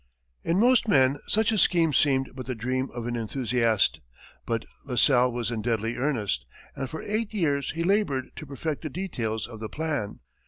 To most men, such a scheme seemed but the dream of an enthusiast; but La Salle was in deadly earnest, and for eight years he labored to perfect the details of the plan.